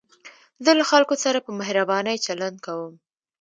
زه له خلکو سره په مهربانۍ چلند کوم.